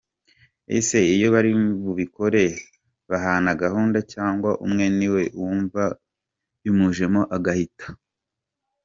Ese iyo bari bubikore bahana gahunda cyangwa umwe niwe wumva bimujemo agahita?.